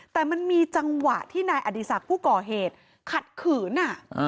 แต่มันมีจังหวะที่นายอดีศักดิ์ผู้ก่อเหตุขัดขืน